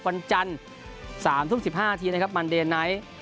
วันจันทร์๓ทุ่ม๑๕นาทีนะครับมันเดนไนท์